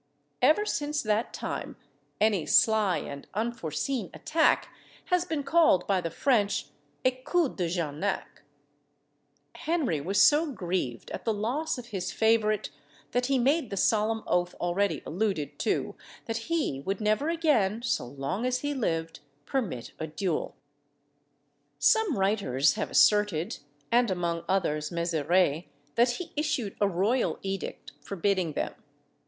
Ever since that time, any sly and unforeseen attack has been called by the French a coup de Jarnac. Henry was so grieved at the loss of his favourite, that he made the solemn oath already alluded to, that he would never again, so long as he lived, permit a duel. Some writers have asserted, and among others, Mezerai, that he issued a royal edict forbidding them.